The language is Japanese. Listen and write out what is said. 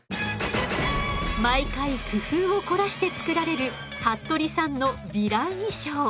毎回工夫を凝らして作られる服部さんのヴィラン衣装。